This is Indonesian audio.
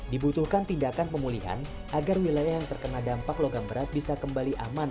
dibutuhkan tindakan pemulihan agar wilayah yang terkena dampak logam berat bisa kembali aman